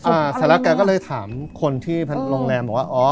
อ่าสัยระแกก็เลยถามคนที่รองแรมบอกว่า